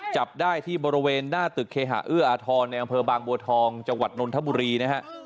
จับได้ที่บริเวณหน้าตึกเคหาเอื้ออาทรในอำเภอบางบัวทองจังหวัดนนทบุรีนะฮะ